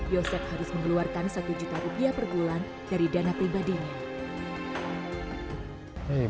yosep harus mengeluarkan satu juta rupiah per bulan dari dana pribadinya